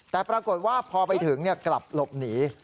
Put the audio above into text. แต่ปรากฏว่าพอไปถึงกลับหลบหนี